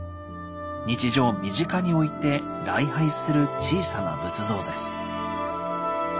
日常身近に置いて礼拝する小さな仏像です。